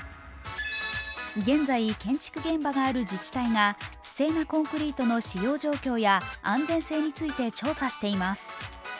現在、建築現場がある自治体が不正なコンクリートの使用状況や安全性について調査しています。